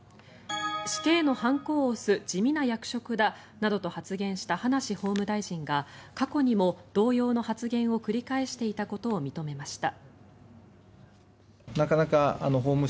死刑の判子を押す地味な役職だなどと発言した葉梨法務大臣が過去にも同様の発言を繰り返していたことを認めました。